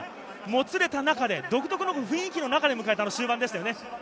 もつれた独特の雰囲気の中での終盤でしたね。